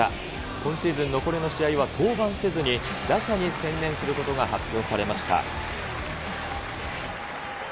今シーズン、残りの試合は登板せずに、打者に専念することが発表されました。